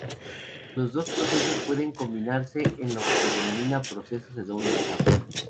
Los dos procesos pueden combinarse en lo que se denomina proceso de doble etapa.